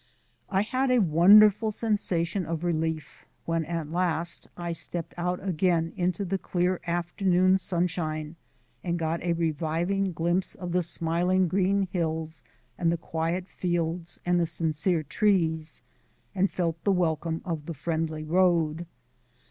I had a wonderful sensation of relief when at last I stepped out again into the clear afternoon sunshine and got a reviving glimpse of the smiling green hills and the quiet fields and the sincere trees and felt the welcome of the friendly road.